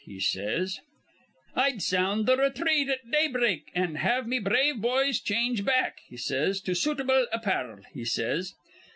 he says. 'I'd sound th' rethreat at daybreak, an' have me brave boys change back,' he says, 'to suitable appar'l,' he says.